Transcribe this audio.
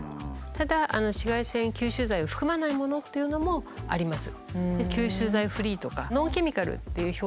ただ紫外線吸収剤を含まないものというのもあります。